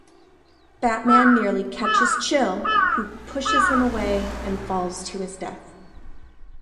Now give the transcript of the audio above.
Batman nearly catches Chill, who pushes him away and falls to his death.